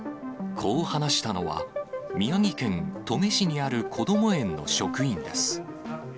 こう話したのは、宮城県登米市にある、こども園の職員です。